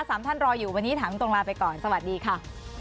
สามท่านรออยู่วันนี้ถามตรงลาไปก่อนสวัสดีค่ะ